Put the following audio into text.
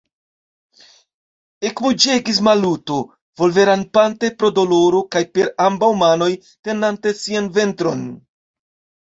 ekmuĝegis Maluto, volverampante pro doloro kaj per ambaŭ manoj tenante sian ventron.